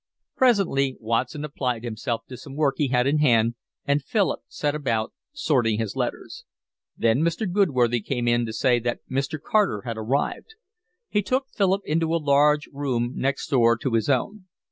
Presently Watson applied himself to some work he had in hand, and Philip set about sorting his letters. Then Mr. Goodworthy came in to say that Mr. Carter had arrived. He took Philip into a large room next door to his own.